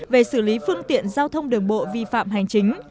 về xử lý phương tiện giao thông đường bộ vi phạm hành chính